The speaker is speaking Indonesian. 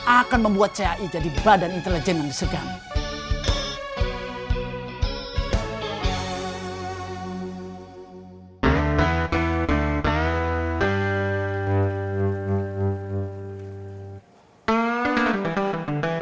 akan membuat cai jadi badan intelijen yang disegam